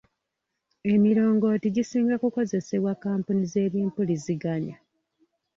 Emirongooti gisinga kukozesebwa kkampuni z'ebyempuliziganya.